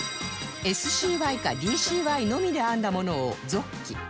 ＳＣＹ か ＤＣＹ のみで編んだものをゾッキ